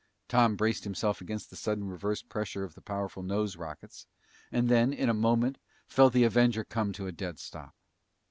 Tom braced himself against the sudden reverse pressure of the powerful nose rockets, and then, in a moment, felt the Avenger come to a dead stop.